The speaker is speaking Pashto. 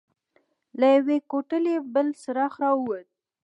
له يوې کوټې بل څراغ راووت.